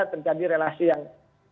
terjadi relasi yang